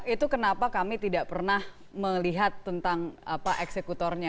itu kenapa kami tidak pernah melihat tentang apa eksekutornya